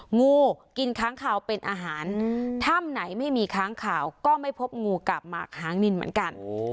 งูกินค้างข่าวเป็นอาหารถ้ำไหนไม่มีค้างข่าวก็ไม่พบงูกับหมากค้างนินเหมือนกัน